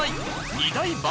２大爆